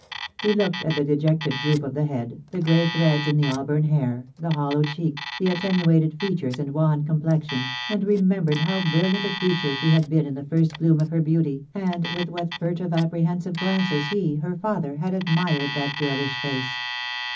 He looked at the dejected droop of the head, the grey threads in the auburn hair, the hollow cheek, the attenuated features and wan complexion, and remem bered how brilliant a creature she had been in the first bloom of her beauty, and with what furtive apprehensive glances he, her father, had admired that girlish face.